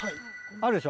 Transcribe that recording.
あるでしょ？